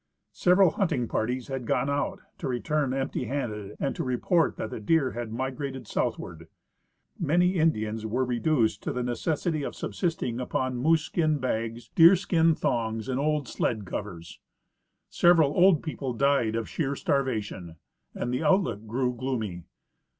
Several hunting parties had gone out, to return empty handed and to report that the deer had migrated southward. Many In dians were reduced to the necessity of subsisting upon moose 192 /. H. Turner — The Alaskan Boundary Survey. skin bags, deer skin thongs, and old sled covers. Several old people died of sheer starvation, and the outlook grew gloomy.